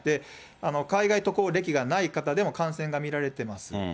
海外渡航歴がない方でも感染が見られています。